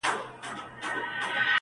د تصویر پښتو ته ولوېدم په خیال کي-